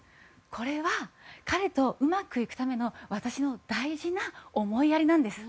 これは彼とうまくいくための私の大事な思いやりなんです。